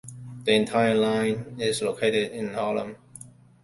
The entire line is located in Harlem.